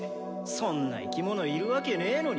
そんな生き物いるわけねーのに。